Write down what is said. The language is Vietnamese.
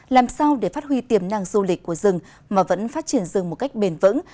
làm sao để phát huy tiềm năng du lịch của rừng mà vẫn phát triển rừng một cách bền vững